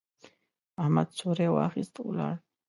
احمد څوری واخيست، ولاړ.